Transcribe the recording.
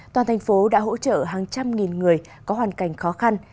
toàn thành phố đã hỗ trợ hàng trăm nghìn người có hoàn cảnh khó khăn